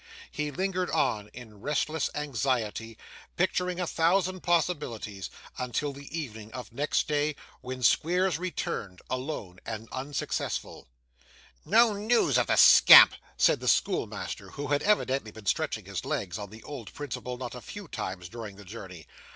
He lingered on, in restless anxiety, picturing a thousand possibilities, until the evening of next day, when Squeers returned, alone, and unsuccessful. 'No news of the scamp!' said the schoolmaster, who had evidently been stretching his legs, on the old principle, not a few times during the journey.